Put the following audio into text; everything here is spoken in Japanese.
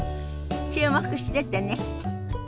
注目しててね。